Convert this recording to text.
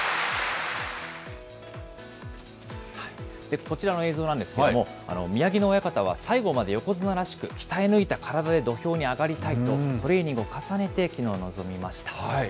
こちらの映像なんですけれども、宮城野親方は、最後まで横綱らしく鍛え抜いた体で土俵に上がりたいと、トレーニングを重ねて、きのう臨みました。